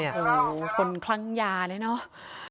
โอ้โหคนคลั่งยาเลยเนอะ